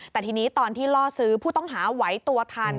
แต่ทีนี้ตอนที่ล่อซื้อผู้ต้องหาไหวตัวทัน